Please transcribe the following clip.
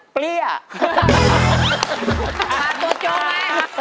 พาตัวโจมไว้